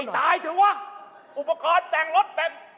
ให้ตายจะว่าอุปกรณ์แจงรถแบบ